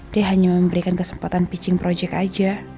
dia hanya memberikan kesempatan pitching project aja